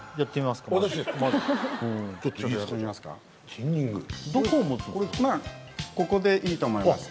まあここでいいと思います